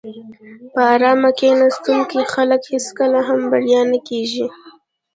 په آرامه کیناستونکي خلک هېڅکله هم بریالي نه کېږي.